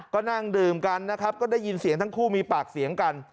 ก็นั่งดื่มกันนะครับก็ได้ยินเสียงทั้งคู่มีปากเสียงกัน